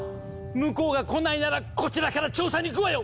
⁉向こうが来ないならこちらから調査に行くわよ！